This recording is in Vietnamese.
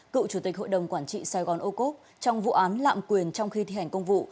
cựu chủ tịch hội đồng quản trị sài gòn âu cốp trong vụ án lạm quyền trong khi thi hành công vụ